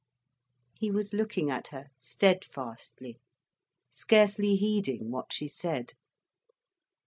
He was looking at her steadfastly, scarcely heeding what she said.